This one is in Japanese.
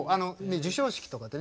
授賞式とかでね